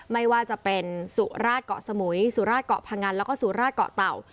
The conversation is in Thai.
ไม่ว่าจะเป็นสุราชเกาะสมุยสุราชเกาะพงันแล้วก็สุราชเกาะเต่า